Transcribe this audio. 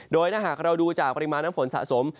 โดยถ้าหากเราดูจากปริมาณน้ำฝนสะสม